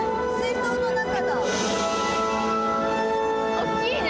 おっきいね。